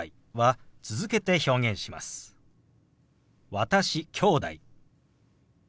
「私」「きょうだい」。